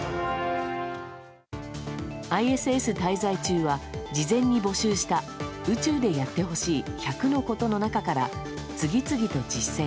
ＩＳＳ滞在中は事前に募集した宇宙でやってほしい１００のことの中から次々と実践。